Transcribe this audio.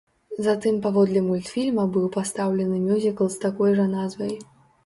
Затым паводле мультфільма быў пастаўлены мюзікл з такой жа назвай.